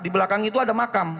di belakang itu ada makam